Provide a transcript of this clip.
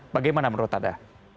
bagaimana menurut anda